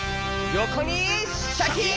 よこにシャキーン！